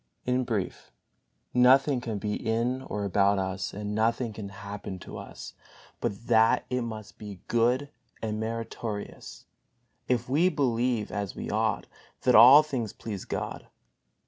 In brief, nothing can be in or about us and nothing can happen to us but that it must be good and meritorious, if we believe (as we ought) that all things please God.